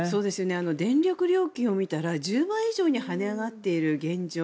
電力料金を見たら１０倍以上に跳ね上がっている現状